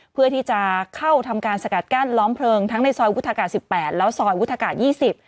เพื่อที่จะเข้าทำการสกัดกั้นล้อมเพลิงทั้งในซอยวุฒากาศ๑๘แล้วซอยวุฒากาศ๒๐